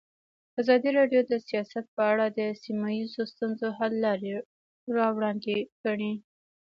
ازادي راډیو د سیاست په اړه د سیمه ییزو ستونزو حل لارې راوړاندې کړې.